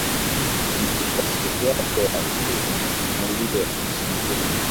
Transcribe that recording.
Imefika siku yako ya kusimuliwa.